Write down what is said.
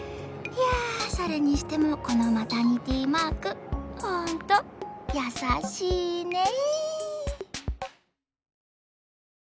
いやそれにしてもこのマタニティマークホントやさしいね。